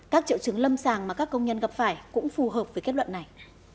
các triệu chứng lâm sàng mà các công nhân gặp phải cũng phù hợp với kết luận này